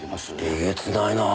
えげつないなぁ。